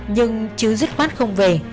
nhưng trứ dứt mắt không về